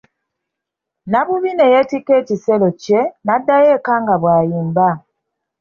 Nabbubi ne yeetikka ekisero kye n'addayo eka nga bw'ayimba.